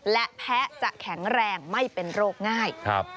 และแพ้จะแข็งแรงไม่เป็นโรคง่าย